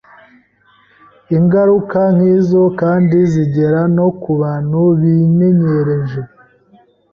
Ingaruka nk’izo kandi zigera no ku bantu bimenyereje